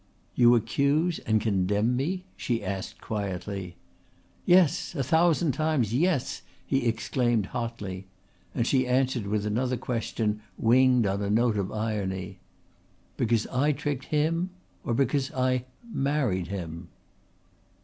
"You accuse and condemn me?" she asked quietly. "Yes. A thousand times, yes," he exclaimed hotly, and she answered with another question winged on a note of irony: "Because I tricked him? Or because I married him?"